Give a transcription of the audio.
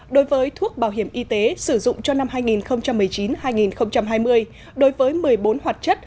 đối với thuốc bảo hiểm y tế sử dụng cho năm hai nghìn một mươi chín hai nghìn hai mươi đối với một mươi bốn hoạt chất